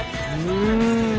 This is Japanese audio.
うん！